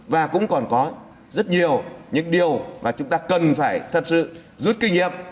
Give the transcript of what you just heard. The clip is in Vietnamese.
và cũng còn có rất nhiều những điều mà chúng ta cần phải thật sự rút kinh nghiệm